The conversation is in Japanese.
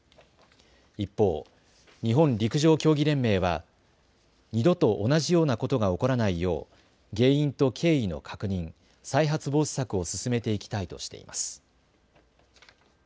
一方、日本陸上競技連盟は二度と同じようなことが起こらないよう原因と経緯の確認、再発防止策を進めていきたいとしています。